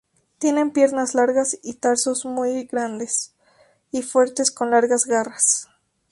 Tienen piernas largas y tarsos muy grandes y fuertes con largas garras.